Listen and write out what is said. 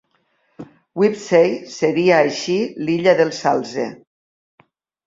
Wibsey seria així "l'illa del salze".